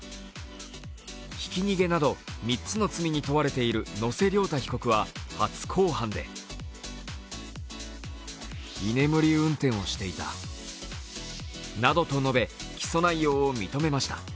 ひき逃げなど３つの罪に問われている野瀬瞭太被告は初公判でなどと述べ、起訴内容を認めました。